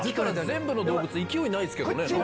全部の動物勢いないけど。